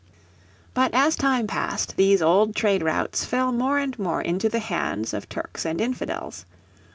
But as time passed these old trade routes fell more and more into the hands of Turks and Infidels.